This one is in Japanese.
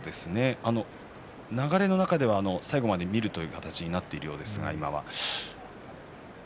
流れの中では最後まで見るという形になっているようです、今は。